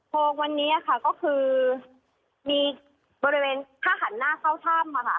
อ๋อโพงวันเนี่ยก็คือมีบริเวณทางขันหน้าเข้าท่ามค่ะ